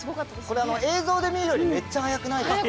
これ映像で見るよりめっちゃ速くないですか？